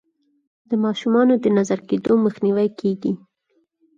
د ماشومانو د نظر کیدو مخنیوی کیږي.